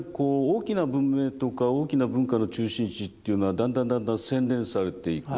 大きな文明とか大きな文化の中心地というのはだんだんだんだん洗練されていく。